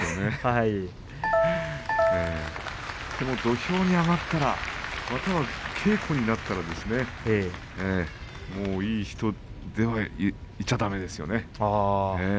でも土俵に上がったらまたは稽古になったらいい人でいちゃ、だめですよね。